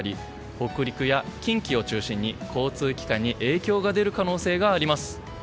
北陸や近畿を中心に、交通機関に影響が出る可能性があります。